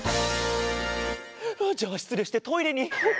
じゃあしつれいしてトイレに。